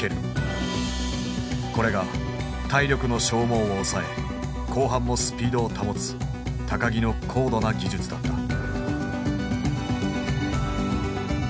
これが体力の消耗を抑え後半もスピードを保つ木の高度な技術だった。